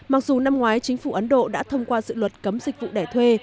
mặc dù năm ngoái chính phủ ấn độ đã thông qua dự luật cấm dịch vụ đẻ thuê